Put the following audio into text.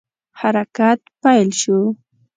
حرکت پیل شو.